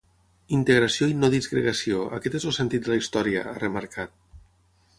Integració i no disgregació, aquest és el sentit de la història, ha remarcat.